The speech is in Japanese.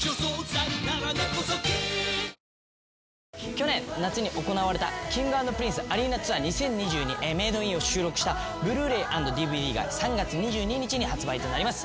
去年夏に行われた『Ｋｉｎｇ＆ＰｒｉｎｃｅＡＲＥＮＡＴＯＵＲ２０２２Ｍａｄｅｉｎ』を収録したＢｌｕ−ｒａｙ＆ＤＶＤが３月２２日に発売となります。